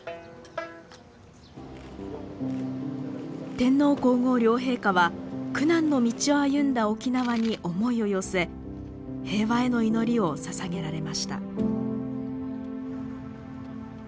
天皇皇后両陛下は苦難の道を歩んだ沖縄に思いを寄せ平和への祈りをささげられました。